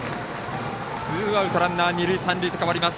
ツーアウト、二塁、三塁へと変わります。